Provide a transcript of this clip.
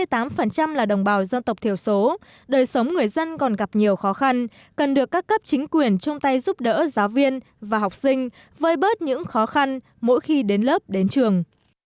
trong số số đời sống người dân còn gặp nhiều khó khăn cần được các cấp chính quyền chung tay giúp đỡ giáo viên và học sinh với bớt những khó khăn mỗi khi đến lớp đến trường